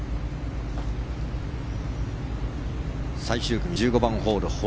最終組、１５番ホール。